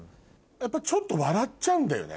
ちょっと笑っちゃうんだよね。